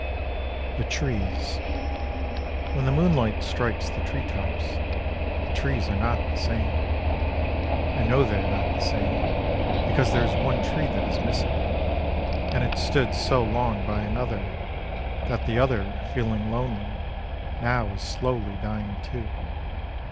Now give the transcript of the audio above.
THE TREES When the moonlight strikes the tree tops, The trees are not the same. I know they are not the same, Because there is one tree that is missing, And it stood so long by another, That the other, feeling lonely, Now is slowly dying too.